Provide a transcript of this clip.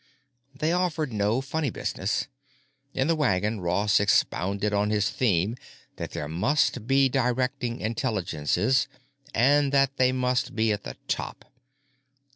They offered no funny business. In the wagon Ross expounded on his theme that there must be directing intelligences and that they must be at the top.